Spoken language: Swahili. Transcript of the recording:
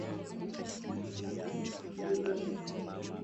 huenda idadi ya vifo ikawa kubwa zaidi